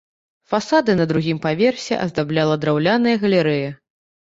Фасады на другім паверсе аздабляла драўляная галерэя.